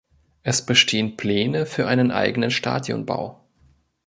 Es bestehen Pläne für einen eigenen Stadionbau.